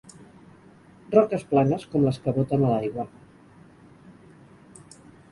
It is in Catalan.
Roques planes com les que boten a l'aigua.